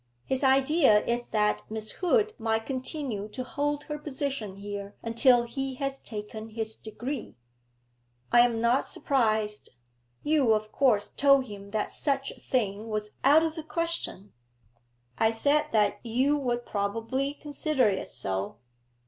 His idea is that Miss Hood might continue to hold her position here until he has taken his degree.' 'I am not surprised. You of course told him that such a thing was out of the question?' 'I said that you would probably consider it so.'